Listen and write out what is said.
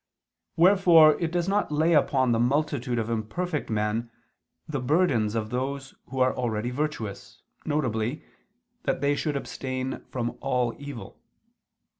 Wherefore it does not lay upon the multitude of imperfect men the burdens of those who are already virtuous, viz. that they should abstain from all evil.